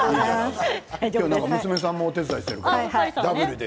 娘さんもお手伝いしているからダブルで。